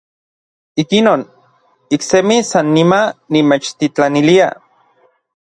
Ikinon, iksemi sannimaj nimechtitlanilia.